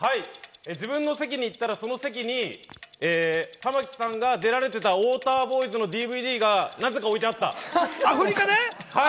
自分の席にいたら、その席に玉木さんが出られてた、『ウオーターボーイズ』のＤＶＤがなぜか置いてあった。